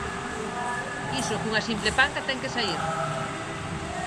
Iso cunha simple panca ten que saír.